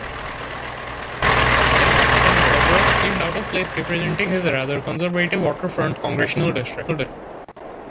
Jenrette, a liberal, seemed out of place representing his rather conservative waterfront congressional district.